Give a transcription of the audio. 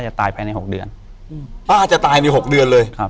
อยู่ที่แม่ศรีวิรัยยิลครับ